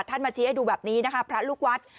มาชี้ให้ดูแบบนี้นะคะพระลูกวัด